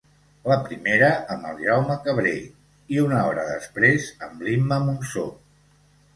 La primera amb el Jaume Cabré i, una hora després, amb l'Imma Monsó.